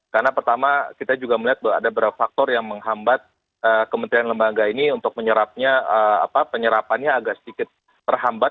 karena pertama kita juga melihat ada beberapa faktor yang menghambat kementerian lembaga ini untuk penyerapannya agak sedikit terhambat